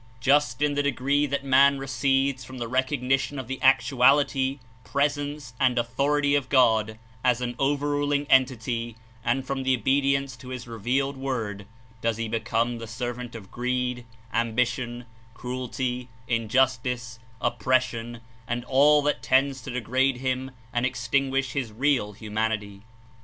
Just in the degree that man recedes from the recognition of the actuality, presence and authority of God as an over ruling Entity and from obedience to his revealed Word, does he become the servant of greed, ambition, cruelty, injustice, oppres sion and all that tends to degrade him and extinguish his real humanity.